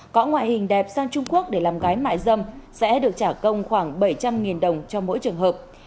có ngoại hình đẹp sang trung quốc để làm gái mại dâm sẽ được trả công khoảng bảy trăm linh đồng cho mỗi trường hợp